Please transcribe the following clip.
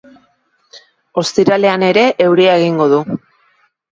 Ostiralean ere euria egingo du.